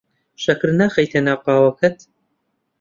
شەکر ناخەیتە ناو قاوەکەت.